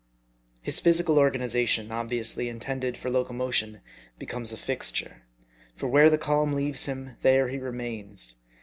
His physical organization, obviously intended for locomo tion, becomes a fixture ; for where the calm leaves him, there he remains.